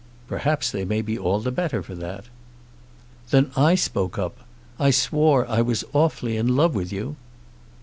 "Perhaps they may be all the better for that." "Then I spoke up. I swore I was awfully in love with you."